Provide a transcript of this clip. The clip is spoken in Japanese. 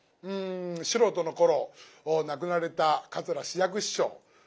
素人の頃亡くなられた桂枝雀師匠